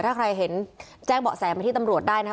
ถ้าใครเห็นแจ้งเบาะแสมาที่ตำรวจได้นะครับ